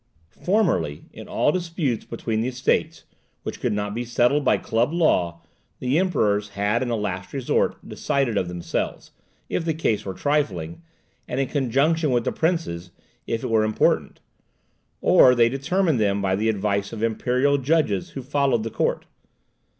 Formerly, in all disputes between the Estates, which could not be settled by club law, the Emperors had in the last resort decided of themselves, if the case were trifling, and in conjunction with the princes, if it were important; or they determined them by the advice of imperial judges who followed the court.